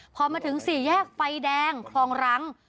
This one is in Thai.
พอมาถึงสี่แยกไฟแดงคลองรัง